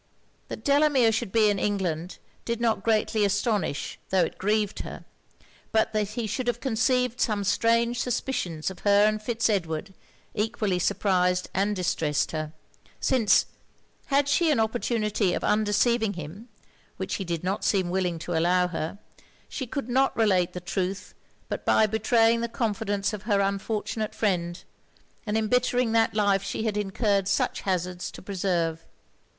That Delamere should be in England did not greatly astonish tho' it grieved her; but that he should have conceived such strange suspicions of her and Fitz Edward, equally surprised and distressed her; since, had she an opportunity of undeceiving him, which he did not seem willing to allow her, she could not relate the truth but by betraying the confidence of her unfortunate friend, and embittering that life she had incurred such hazards to preserve.